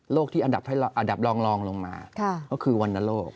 โรคที่อันดับลองลองลงมาก็คือวัณลโรค